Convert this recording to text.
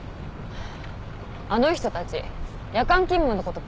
ハァあの人たち夜間勤務のこと